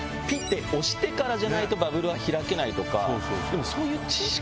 押してからじゃないとバルブは開けないとか。